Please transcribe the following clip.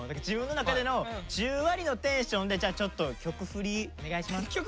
自分の中での１０割のテンションでじゃあちょっと曲振りお願いします。